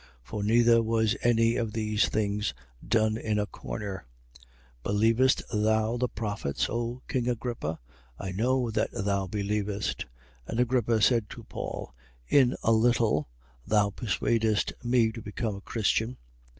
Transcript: For neither was any of these things done in a corner. 26:27. Believest thou the prophets, O king Agrippa? I know that thou believest. 26:28. And Agrippa said to Paul: In a little thou persuadest me to become a Christian.